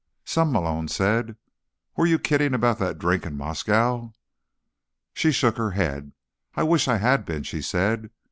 "Some," Malone said. "Were you kidding about that drink in Moscow?" She shook her head. "I wish I had been," she said.